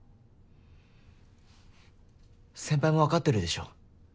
先輩もわかってるでしょ。